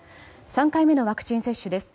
３回目のワクチン接種です。